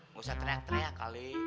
nggak usah teriak teriak kali